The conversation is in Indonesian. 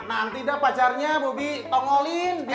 nanti dah pacarnya bobi tongolin